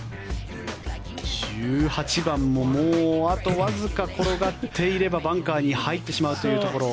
１８番もあとわずか転がっていればバンカーに入ってしまうというところ。